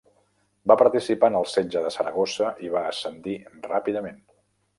Va participar en el setge de Saragossa i va ascendir ràpidament.